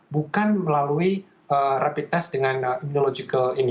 bukan melalui rapid test dengan imunisasi